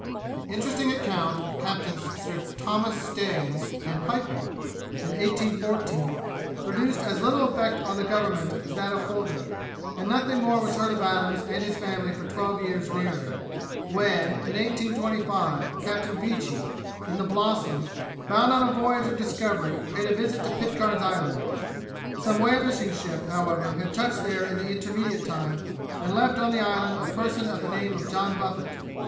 The interesting account of Captains Sir Thomas Stairies and Pipon, in 1814, produced as little effect on the government as that of Folger; and nothing more was heard of Adams and his family for twelve years nearly, when, in 1825, Captain Beechey, in the Blossom, bound on a voyage of discovery, paid a visit to Pitcairn's Island. Some whale fishing ship, however, had touched there in the intermediate time, and left on the island a person of the name of John Buffet.